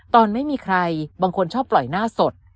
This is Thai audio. ตอนไม่มีใครบางคนชอบปล่อยหน้าสด